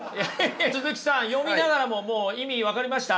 鈴木さん読みながらももう意味分かりました？